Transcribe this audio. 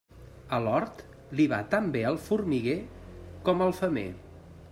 A l'hort, li va tan bé el formiguer com el femer.